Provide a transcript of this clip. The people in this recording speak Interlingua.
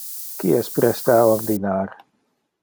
Qui es preste a ordinar?